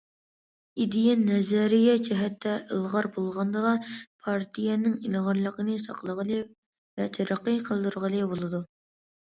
ئىدىيە، نەزەرىيە جەھەتتە ئىلغار بولغاندىلا پارتىيەنىڭ ئىلغارلىقىنى ساقلىغىلى ۋە تەرەققىي قىلدۇرغىلى بولىدۇ.